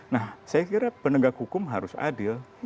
nah saya kira penegak hukum harus adil